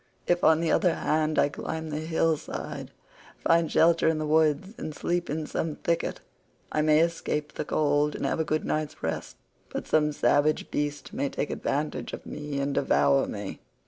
If, on the other hand, I climb the hill side, find shelter in the woods, and sleep in some thicket, I may escape the cold and have a good night's rest, but some savage beast may take advantage of me and devour me."